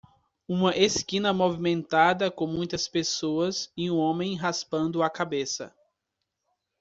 Uma esquina movimentada com muitas pessoas e um homem raspando a cabeça